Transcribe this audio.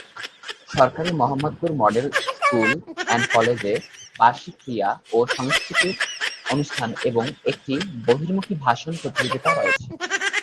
সরকারি Mohammadpur model school and কলেজে বার্ষিক ক্রীড়া ও সাংস্কৃতিক অনুষ্ঠান এবং একটি বহির্মুখী ভাষণ প্রতিযোগিতা রয়েছে।